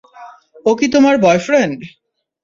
ও কি তোমার বয়ফ্রেন্ড?